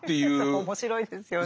面白いですよね。